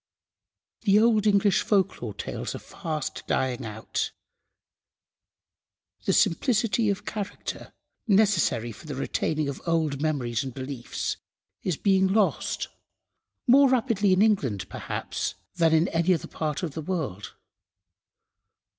The old English Folklore Tales are fast dying out. The simplicity of character necessary for the retaining of old memories and beliefs is being lost, more rapidly in England, perhaps, than in any other part of the world.